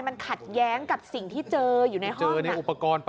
มันขัดแย้งกับสิ่งที่เจออยู่ในห้อง